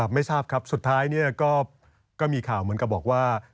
ไม่ทราบครับสุดท้ายก็มีข่าวเหมือนกับบอกว่า